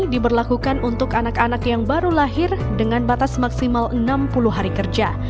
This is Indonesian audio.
diberlakukan untuk anak anak yang baru lahir dengan batas maksimal enam puluh hari kerja